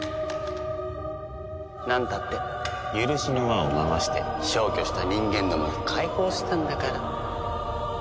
なんたって許しの輪を回して消去した人間どもを解放したんだから。